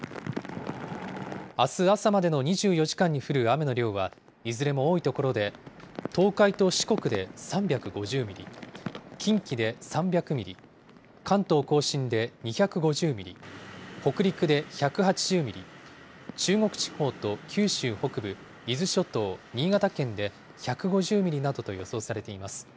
あす朝までの２４時間に降る雨の量は、いずれも多い所で、東海と四国で３５０ミリ、近畿で３００ミリ、関東甲信で２５０ミリ、北陸で１８０ミリ、中国地方と九州北部、伊豆諸島、新潟県で１５０ミリなどと予想されています。